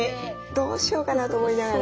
どうしようかなと思いながら。